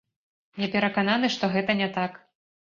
Я перакананы, што гэта не так.